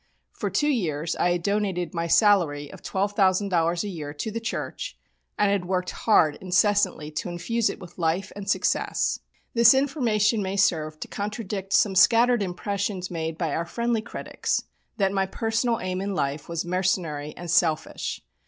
For two years I had donated my salary of $12,000 a year to the church, and had worked hard incessantly to infuse it with life and success. This information may serve to contradict some scattered impressions made by our friendly critics, that my personal aim in life was mercenary and selfish.